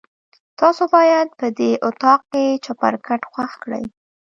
تاسو باید په دې اطاق کې چپرکټ خوښ کړئ.